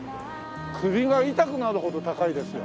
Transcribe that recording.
首が痛くなるほど高いですよ。